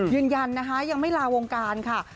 ยืนยันนะคะยังไม่ลาวงการค่ะ